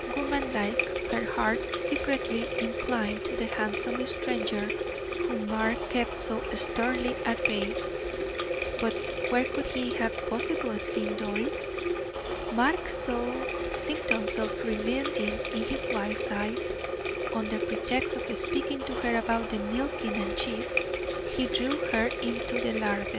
Woman like, her heart secretly inclined to the handsome stranger whom Mark kept so sternly at bay, but where could he have possibly seen Doris? Mark saw symptoms of relenting in his wife's eyes; under pretext of speaking to her about the milking and cheese, he drew her into the larder.